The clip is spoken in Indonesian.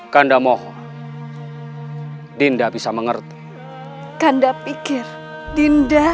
kanda mohon dinda bisa mengerti kanda pikir dinda